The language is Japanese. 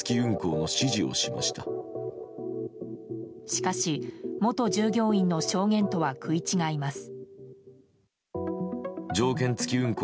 しかし、元従業員の証言とは食い違います。